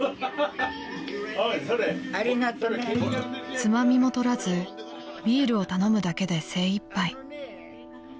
［つまみもとらずビールを頼むだけで精いっぱい］